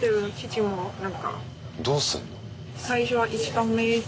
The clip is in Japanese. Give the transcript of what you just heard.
どうすんの？